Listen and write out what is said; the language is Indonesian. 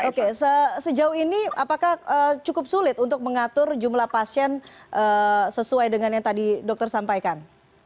oke sejauh ini apakah cukup sulit untuk mengatur jumlah pasien sesuai dengan yang tadi dokter sampaikan